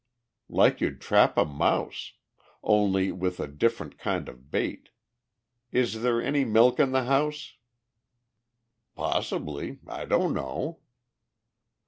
"Like you'd trap a mouse only with a different kind of bait. Is there any milk in the house?" "Possibly I don't know."